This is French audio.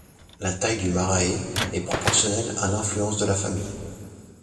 La taille du marae est proportionnelle à l’influence de la famille.